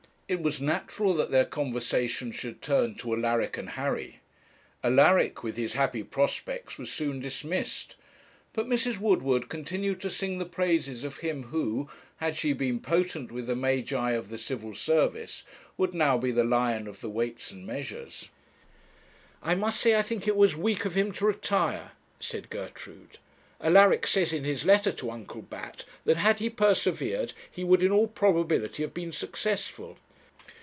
It was natural that their conversation should turn to Alaric and Harry. Alaric, with his happy prospects, was soon dismissed; but Mrs. Woodward continued to sing the praises of him who, had she been potent with the magi of the Civil Service, would now be the lion of the Weights and Measures. 'I must say I think it was weak of him to retire,' said Gertrude. 'Alaric says in his letter to Uncle Bat, that had he persevered he would in all probability have been successful.'